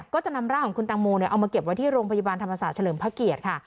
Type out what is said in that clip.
ก็จะนำร่างของคุณตังโมเอามาเก็บไว้ที่โรงพยาบาลธรรมศาสตร์เฉลิมพระเกียรติค่ะ